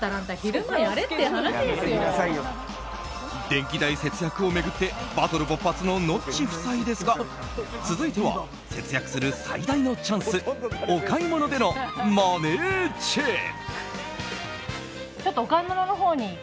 電気代節約を巡ってバトル勃発のノッチ夫妻ですが続いては節約する最大のチャンスお買い物でのマネーチェック。